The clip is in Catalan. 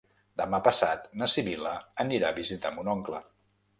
Demà passat na Sibil·la anirà a visitar mon oncle.